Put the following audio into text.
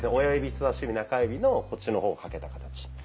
人さし指中指のこっちの方かけた形。